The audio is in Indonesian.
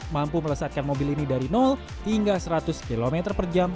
mampu melesatkan mobil ini dari hingga seratus km per jam